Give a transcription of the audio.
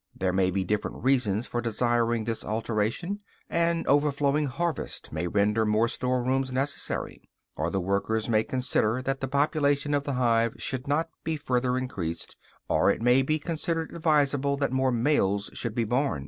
There may be different reasons for desiring this alteration: an overflowing harvest may render more store rooms necessary, or the workers may consider that the population of the hive should not be further increased, or it may be considered advisable that more males should be born.